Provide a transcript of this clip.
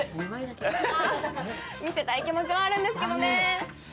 見せたい気持ちはあるんですけどね。